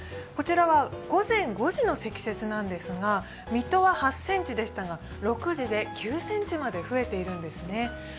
こちらは午前５時の積雪なんですが水戸は８ｃｍでしたが６時で９ｃｍまで増えているんですね。